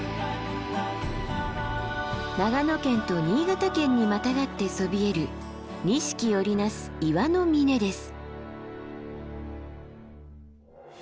長野県と新潟県にまたがってそびえる錦織り成す岩の峰です。